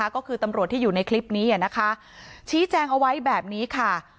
ก็คือตำรวจที่อยู่ในคลิปนี้นะคะชี้แจงเอาไว้แบบนี้ค่ะ